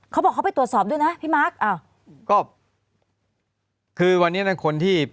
เขาบอกเขาไปตรวจสอบด้วยนะพี่มาร์คอ้าวก็คือวันนี้ในคนที่